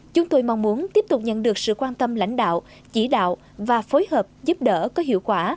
chúng tôi mong muốn tiếp tục nhận được sự quan tâm lãnh đạo chỉ đạo và phối hợp giúp đỡ có hiệu quả